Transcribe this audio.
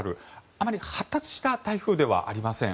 あまり発達した台風ではありません。